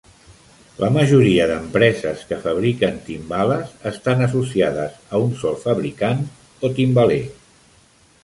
La majoria d'empreses que fabriquen timbales estan associades a un sol fabricant o timbaler.